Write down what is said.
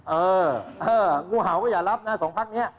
เอองู้เห่าก็อย่ารับนะ๒พักรบุรุณะ